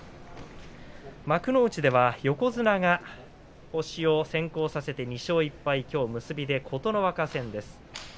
幕内では、横綱が星を先行させて２勝１敗きょう結びで琴ノ若戦です。